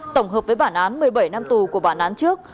tổng hợp với bản án một mươi bảy năm tù của bản án trước